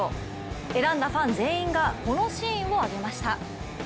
選んだファン全員がこのシーンを挙げました。